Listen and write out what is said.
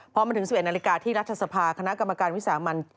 พอมาถึง๑๑นาฬิกาที่รัฐสภาคณะกรรมการวิสามัน